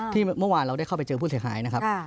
เมื่อวานเราได้เข้าไปเจอผู้เสียหายนะครับ